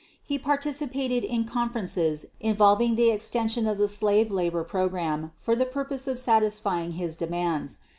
He participated in conferences involving the extension of the slave labor program for the purpose of satisfying his demands.